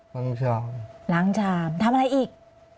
ล้างชามล้างชามทำอะไรอีก